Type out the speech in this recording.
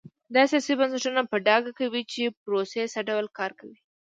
دا سیاسي بنسټونه په ډاګه کوي چې پروسې څه ډول کار کوي.